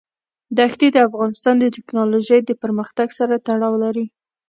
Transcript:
دښتې د افغانستان د تکنالوژۍ د پرمختګ سره تړاو لري.